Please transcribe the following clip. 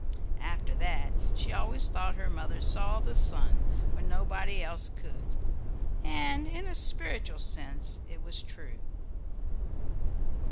After that she always thought her mother saw the sun when nobody else could. And in a spiritual sense it was true.